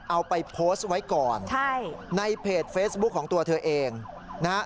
เอาไปโพสต์ไว้ก่อนใช่ในเพจเฟซบุ๊คของตัวเธอเองนะฮะ